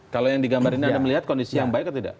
kalau yang digambar ini anda melihat kondisi yang baik atau tidak